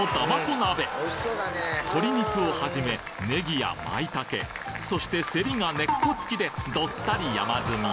鍋鶏肉をはじめねぎや舞茸そしてセリが根っこ付きでどっさり山積み